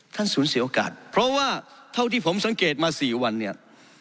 สูญเสียโอกาสเพราะว่าเท่าที่ผมสังเกตมา๔วันเนี่ย